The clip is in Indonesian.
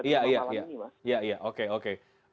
menerima malam ini mas